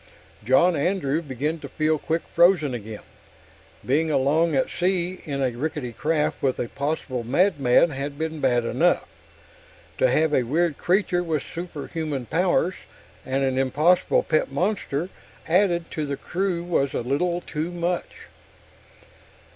John Andrew began to feel quick frozen again. Being alone at sea in a rickety craft with a possible madman had been bad enough. To have a weird creature with superhuman powers, and an impossible pet monster, added to the crew was a little too much.